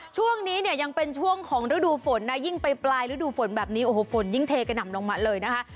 ช่วงนี้เนี่ยยังเป็นช่วงของฤดูฝนนะยิ่งไปปลายฤดูฝนแบบนี้โอ้โหฝนยิ่งเทกระหน่ำลงมาเลยนะคะ